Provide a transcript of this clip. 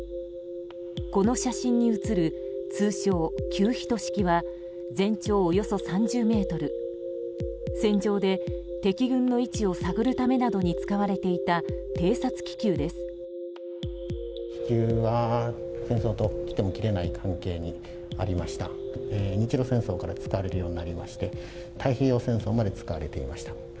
この写真に写る通称９１式は全長およそ３０ｍ戦場で敵軍の位置を探るためなどに使われていた偵察気球です。